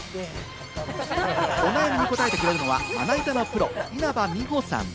お悩みに答えてくれるのは、まな板のプロ・稲葉美帆さん。